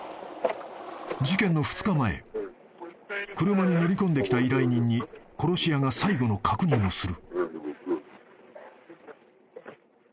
［車に乗り込んできた依頼人に殺し屋が最後の確認をする］